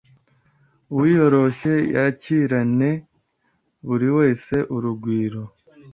Uwiyoroshye yekirene buri wese urugwiro